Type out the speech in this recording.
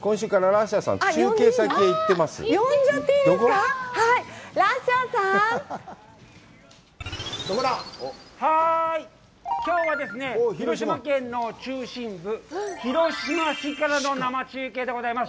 ハーイ、きょうは広島県の中心部、広島市からの生中継でございます。